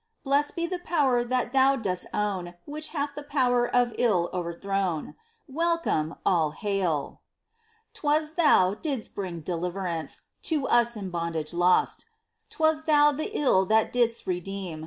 Blest be the power that thou dost own Which hath the power of ill o'erthrown ! Welcome, all hail ! 'Twas thou didst bring deliverance To us in bondage lost ; 'Twas thou the ill that didst redeem.